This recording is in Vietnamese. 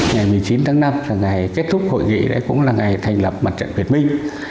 ngày một mươi chín tháng năm là ngày kết thúc hội nghị cũng là ngày thành lập mặt trận việt minh